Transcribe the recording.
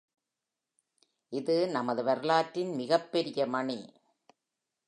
இது நமது வரலாற்றின் மிகப்பெரிய மணி.